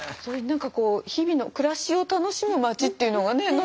それに何かこう日々の暮らしを楽しむまちっていうのがね